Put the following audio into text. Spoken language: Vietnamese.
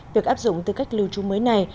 việc áp dụng tư cách lưu trú mới này